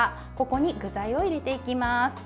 ここに具材を入れていきます。